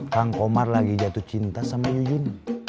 kang komar lagi jatuh cinta sama yuni